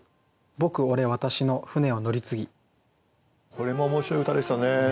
これも面白い歌でしたね。